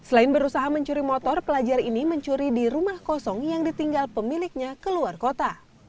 selain berusaha mencuri motor pelajar ini mencuri di rumah kosong yang ditinggal pemiliknya keluar kota